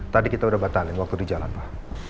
tadi kita udah batalin waktu di jalan pak